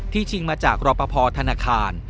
ชิงมาจากรอปภธนาคาร